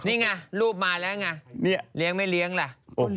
นี่ไงรูปมาแล้วไงเลี้ยงไม่เลี้ยงล่ะ